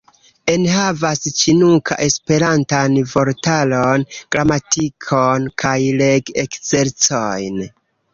Enhavas ĉinuka-esperantan vortaron, gramatikon kaj leg-ekzercojn.